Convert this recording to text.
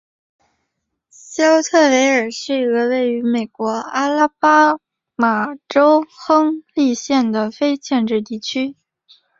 肖特维尔是一个位于美国阿拉巴马州亨利县的非建制地区。